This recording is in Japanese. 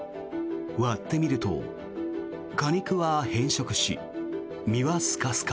割ってみると果肉は変色し、実はスカスカ。